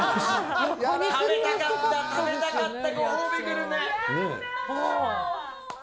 食べたかった、食べたかった。